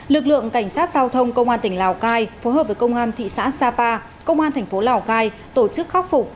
lực lượng cảnh sát giao thông công an tỉnh lào cai phối hợp với công an thị xã sapa công an thành phố lào cai tổ chức khắc phục